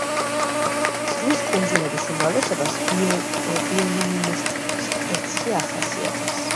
ზღვის კუნძულების უმრავლესობას ბიოლუმინესცენცია ახასიათებს.